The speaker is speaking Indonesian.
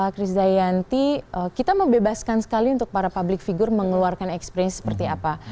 chris dayanti kita membebaskan sekali untuk para public figure mengeluarkan ekspresi seperti apa